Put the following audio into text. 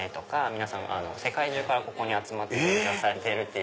皆さん世界中からここに集まって勉強されてる。